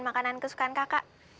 makanan kesukaan kakak